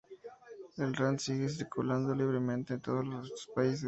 El rand sigue circulando libremente en todos estos países.